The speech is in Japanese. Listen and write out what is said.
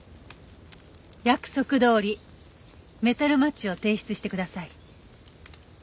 約束どおりメタルマッチを提出してください。